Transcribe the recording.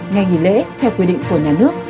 ngày nghỉ lễ theo quy định của nhà nước